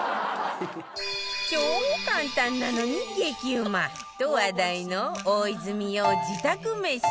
超簡単なのに激うまと話題の大泉洋自宅メシ